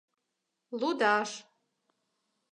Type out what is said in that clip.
Лудаш